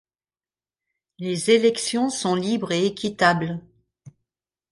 Les élections sont libres et équitables.